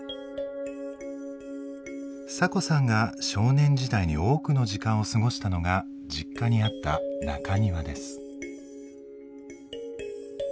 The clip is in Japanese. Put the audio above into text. サコさんが少年時代に多くの時間を過ごしたのが実家にあった中庭です。